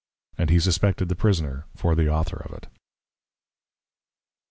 And he suspected the Prisoner for the Author of it.